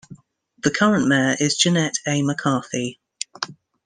The current mayor is Jeanette A. McCarthy.